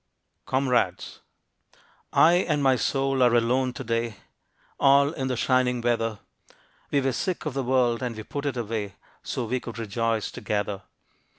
COMRADES. I and my Soul are alone to day, All in the shining weather; We were sick of the world, and we put it away, So we could rejoice together.